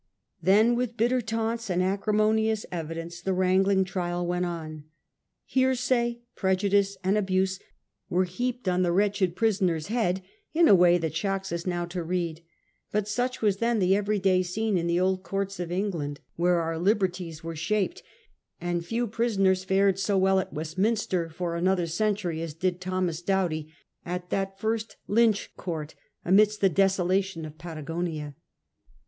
Then with bitter taunts and acrimonious evi dence the wrangling trial went on. Hearsay, prejudice, and abuse were heaped on the wretched prisoner's head in a way that shocks us now to read. But such was then the everyday scene in the old courts of England V TRIAL OF DOUGHTY 73 where our liberties were shaped ; and few prisoners fared so well at Westminster for another century as did Thomas Doughty at that first Lynch court amidst the desolation of Patagonia.